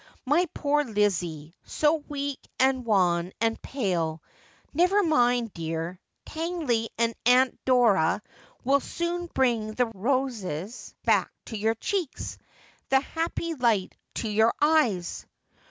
' My poor Lizzie — so weak, and wan, and pale. Never mind, dear. Tangley Lizzie's Failure. 34 9 and Aamt Dora will soon bring the roses back to your cheeks — the happy light to your eyes.'